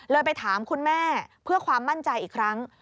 ไปถามคุณแม่เพื่อความมั่นใจอีกครั้ง